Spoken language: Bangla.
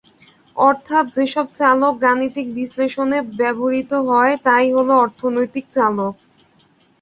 অর্থাৎ যেসব চলক গাণিতিক বিশ্লেষণে ব্যবহূত হয়, তা-ই হলো অর্থনৈতিক চলক।